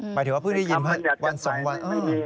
หมายถึงว่าเพิ่งได้ยินวัน๒วัน